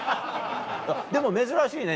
でも珍しいね。